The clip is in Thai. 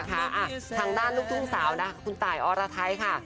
ทางด้านลูกดรุ้มสาวนะคุณตายออกแฮะ